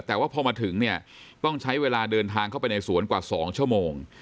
แต่ว่าพอมาถึงเนี่ยต้องใช้เวลาเดินทางเข้าไปในสวนกว่า๒ชั่วโมง